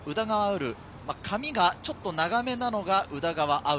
潤、髪がちょっと長めなのが宇田川侑